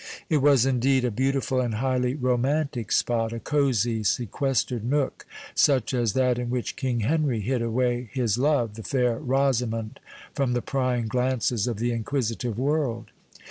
It was, indeed, a beautiful and highly romantic spot, a cosy, sequestered nook, such as that in which King Henry hid away his love, the Fair Rosamond, from the prying glances of the inquisitive world.